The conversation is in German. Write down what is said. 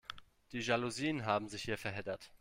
Die Jalousien haben sich hier verheddert.